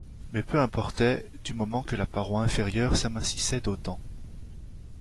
Mais peu importait, du moment que la paroi inférieure s’amincissait d’autant.